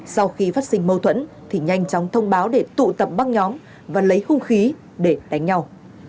sau khi phát sinh mâu thuẫn thì nhanh chóng thông báo để tụ tập băng nhóm và lấy hung khí để đánh nhau